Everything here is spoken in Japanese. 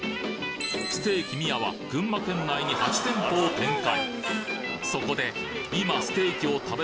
ステーキ宮は群馬県内に８店舗を展開